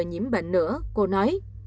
nhiễm bệnh nữa cô nói